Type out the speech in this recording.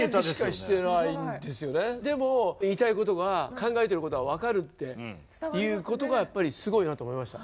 でも言いたいことが考えてることが分かるっていうことがすごいなと思いました。